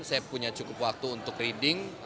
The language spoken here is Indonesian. saya punya cukup waktu untuk reading